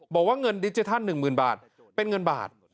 บอกว่าเงินดิจิทัล๑๐๐๐บาทเป็นเงินบาท